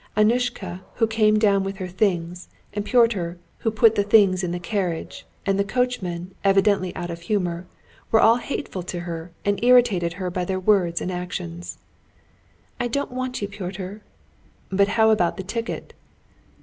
Annushka, who came down with her things, and Pyotr, who put the things in the carriage, and the coachman, evidently out of humor, were all hateful to her, and irritated her by their words and actions. "I don't want you, Pyotr." "But how about the ticket?"